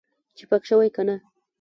چې پاک شوی که نه.